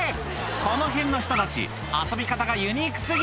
この辺の人たち遊び方がユニーク過ぎ